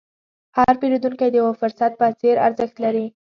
هر پیرودونکی د یو فرصت په څېر ارزښت لري.